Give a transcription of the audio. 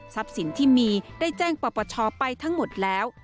ทรัพย์สินที่มีได้แจ้งปรับประชาไปทั้งหมดแล้ว